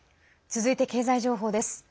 続いて経済情報です。